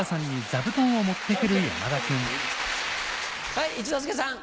はい一之輔さん。